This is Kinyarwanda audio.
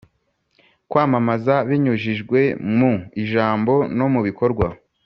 Kwamamaza binyujijwe mu ijambo no mu bikorwa